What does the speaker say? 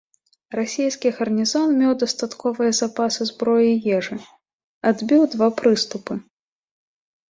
Расійскі гарнізон меў дастатковыя запасы зброі і ежы, адбіў два прыступы.